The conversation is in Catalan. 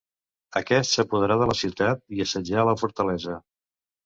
Aquest s'apoderà de la ciutat i assetjà la fortalesa.